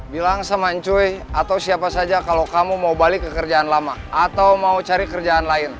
bilang samancuy atau siapa saja kalau kamu mau balik ke kerjaan lama atau mau cari kerjaan lain